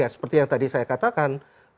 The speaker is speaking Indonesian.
seperti yang tadi saya katakan